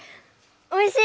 おいしい！